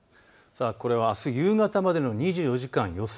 これはあす夕方までの２４時間の予想